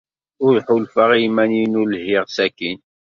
Ur ḥulfaɣ i yiman-inu lhiɣ sakkin.